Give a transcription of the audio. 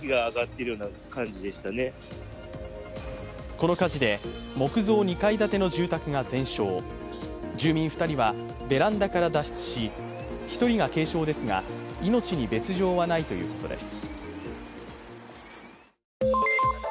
この火事で木造２階建ての住宅が全焼住民２人はベランダから脱出し、１人が軽傷ですが、命に別状はないということです。